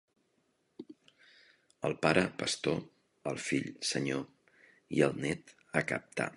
El pare, pastor; el fill, senyor, i el net, a captar.